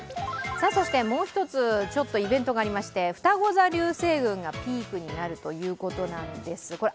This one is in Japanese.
そしてもう一つイベントがありましてふたご座流星群がピークになるということなんです。